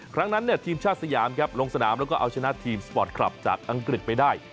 ครั้งนั้นทีมชาติสยามครับลงสนามแล้วก็เอาชนะทีมสปอร์ตคลับจากอังกฤษไปได้